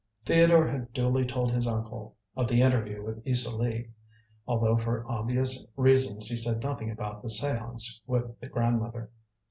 Theodore had duly told his uncle of the interview with Isa Lee, although for obvious reasons he said nothing about the séance with the grandmother.